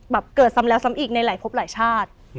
แบบเกิดซ้ำแล้วซ้ำอีกในพบหลายชาติ